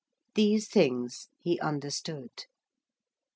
These things he understood.